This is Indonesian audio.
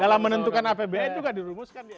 dalam menentukan apbn juga dirumuskan di md tiga